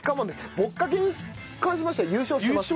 ぼっかけに関しましては優勝してます。